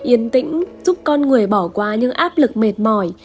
yên tĩnh giúp con người bỏ qua những áp lực mệt mỏi